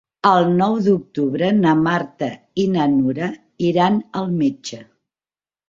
El nou d'octubre na Marta i na Nura iran al metge.